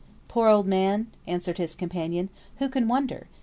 "Poor old man," answered his companion, "who can wonder?